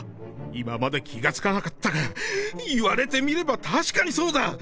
「今まで気がつかなかったが、言われてみればたしかにそうだ」。